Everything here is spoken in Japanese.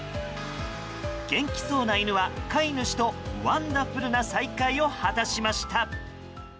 元気そうな犬は飼い主をワンダフルな再会を果たしました。